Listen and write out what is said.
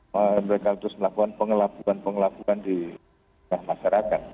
mereka harus melakukan pengelabuhan pengelabuhan di masyarakat